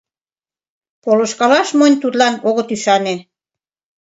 Полышкалаш монь тудлан огыт ӱшане.